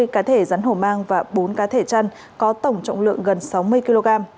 hai mươi cá thể rắn hổ mang và bốn cá thể chăn có tổng trọng lượng gần sáu mươi kg